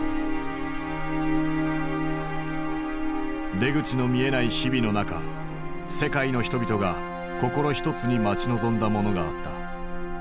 出口の見えない日々の中世界の人々が心ひとつに待ち望んだものがあった。